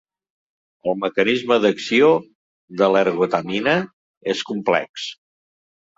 El mecanisme d'acció de l'ergotamina és complex.